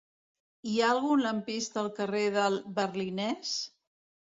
Hi ha algun lampista al carrer del Berlinès?